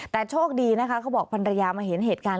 แต่โชคดีนะคะเขาบอกภรรยามาเห็นเหตุการณ์